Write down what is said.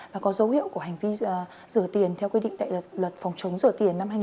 và có dấu hiệu của hành vi rửa tiền theo quy định đại luật phòng chống rửa tiền năm hai nghìn hai mươi hai